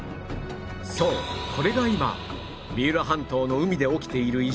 そうこれが今三浦半島の海で起きている異常事態